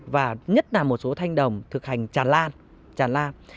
và nhất là một số thanh đồng thực hành tràn lan